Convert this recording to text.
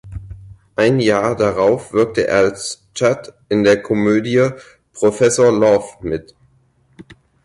Ein Jahr darauf wirkte er als "Chad" in der Komödie "Professor Love" mit.